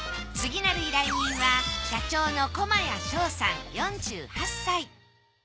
次なる依頼人は社長の駒屋将さん４８歳。